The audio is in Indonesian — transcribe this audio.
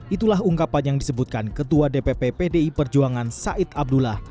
itulah ungkapan yang disebutkan ketua dpp pdi perjuangan said abdullah